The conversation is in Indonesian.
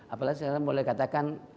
apalagi sekarang boleh dikatakan